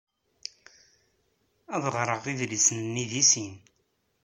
Ad ɣreɣ idlisen-nni deg sin.